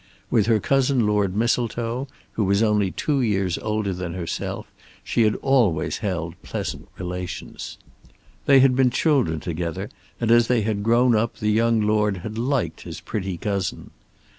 With her cousin Lord Mistletoe, who was only two years older than herself, she had always held pleasant relations. They had been children together, and as they had grown up the young Lord had liked his pretty cousin.